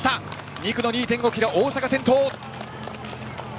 ２区の２．５ｋｍ、大阪先頭。